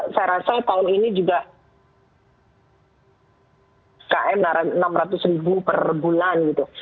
saya rasa tahun ini juga km enam ratus ribu per bulan gitu